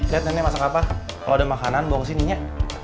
lihat nenek masak apa kalau ada makanan bawa ke sininya